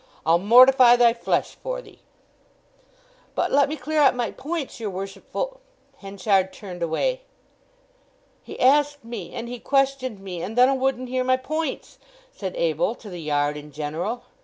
I'll mortify thy flesh for thee!" "But let me clear up my points, your worshipful——" Henchard turned away. "He asked me and he questioned me, and then 'a wouldn't hear my points!" said Abel, to the yard in general.